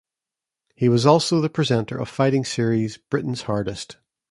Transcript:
He was also the presenter of fighting series "Britain's Hardest".